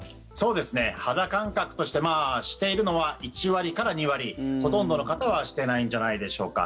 肌感覚としてしているのは１割から２割ほとんどの方はしてないんじゃないでしょうか。